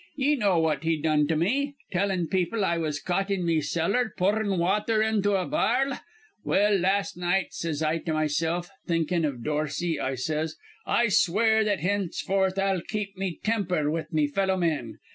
Ye know what he done to me, tellin' people I was caught in me cellar poorin' wather into a bar'l? Well, last night says I to mesilf, thinkin' iv Dorsey, I says: 'I swear that henceforth I'll keep me temper with me fellow men.